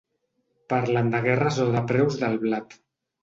Parlen de guerres o de preus del blat.